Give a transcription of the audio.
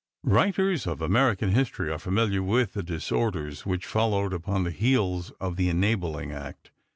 Writers of American history are familiar with the disorders which followed upon the heels of the Enabling Act.